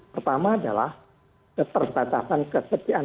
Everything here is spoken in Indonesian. pertama adalah ketersatakan kesedihan